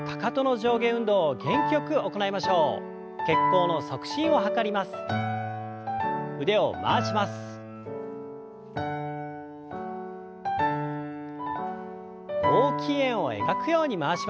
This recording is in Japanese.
大きい円を描くように回しましょう。